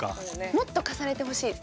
もっと重ねてほしいです。